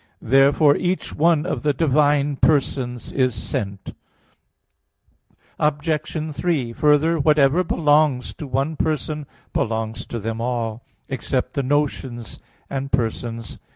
Therefore each one of the divine persons is sent. Obj. 3: Further, whatever belongs to one person, belongs to them all, except the notions and persons.